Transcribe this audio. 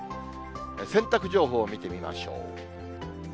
洗濯情報を見てみましょう。